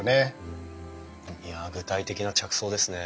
いや具体的な着想ですね。